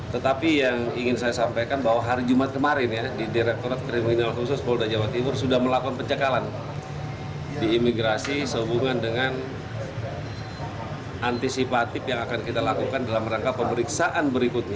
tetapi yang ingin saya sampaikan bahwa hari jumat kemarin ya di direkturat kriminal khusus polda jawa timur sudah melakukan pencekalan di imigrasi sehubungan dengan antisipatif yang akan kita lakukan dalam rangka pemeriksaan berikutnya